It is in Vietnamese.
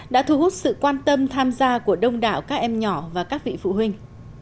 đã thu hút sự quan tâm tham gia của đông đảo các em nhỏ và các vị phụ huynh